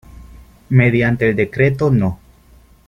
Mediante el decreto no.